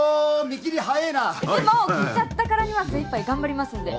でも来ちゃったからには精いっぱい頑張りますんで。